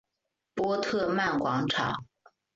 波特曼广场。